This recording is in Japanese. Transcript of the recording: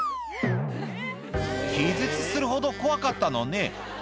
気絶するほど怖かったのね。